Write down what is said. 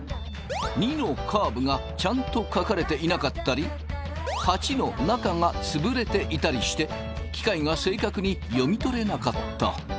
２のカーブがちゃんと書かれていなかったり８の中が潰れていたりして機械が正確に読み取れなかった。